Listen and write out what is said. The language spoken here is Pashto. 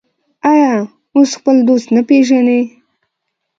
آیا او خپل دوست نه پیژني؟